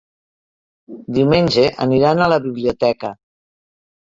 Diumenge aniran a la biblioteca.